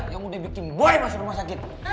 yang udah bikin boy masuk rumah sakit